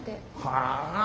はあ？